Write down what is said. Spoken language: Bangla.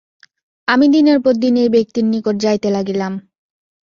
আমি দিনের পর দিন এই ব্যক্তির নিকট যাইতে লাগিলাম।